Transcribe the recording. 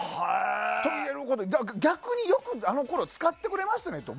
逆によくあのころ使ってくれましたねと。